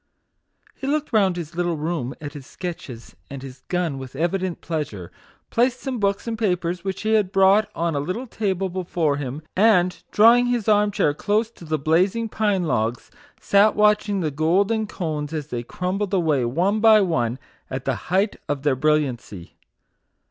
He looked round his little room at his sketches and his gun with evident pleasure, placed some books MAGIC WORDS. 7 and papers which he had brought on a little table before him, and drawing his arm chair close to the blazing pine logs, sat watching the golden cones as they crumbled away, one by one, at the height of their brilliancy.